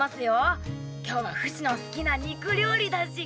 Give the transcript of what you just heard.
今日はフシの好きな肉料理だし。